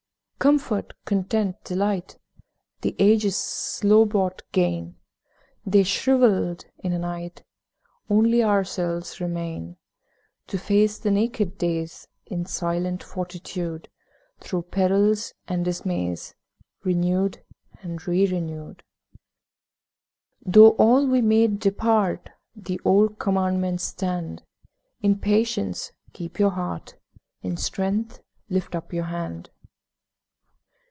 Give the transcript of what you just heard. Comfort, content, delight, The ages' slow bought gain, They shrivelled in a night. Only ourselves remain To face the naked days In silent fortitude, Through perils and dismays Renewed and re renewed. Though all we made depart, The old Commandments stand; 'In patience keep your heart, In strength lift up your hand.'